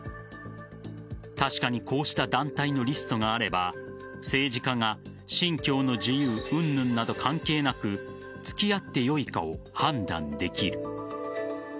確かにこうした団体のリストがあれば政治家が信教の自由云々など関係なく付き合って良いかを判断できる。